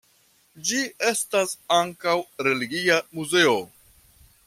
Ĝi estas ankaŭ religia muzeo.